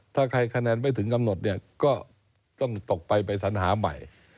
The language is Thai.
ถ้าใครคะแนนไม่ถึงกำหนดเนี่ยก็ต้องตกไปไปสัญหาใหม่